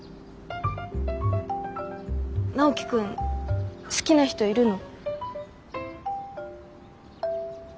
ナオキ君好きな人いるの？